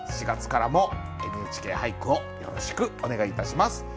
４月からも「ＮＨＫ俳句」をよろしくお願いいたします。